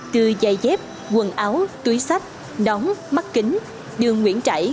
từ dây dép quần áo túi sách nóng mắt kính đường nguyễn trãi